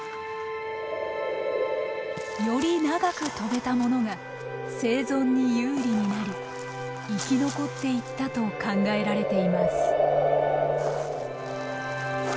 より長く飛べたものが生存に有利になり生き残っていったと考えられています。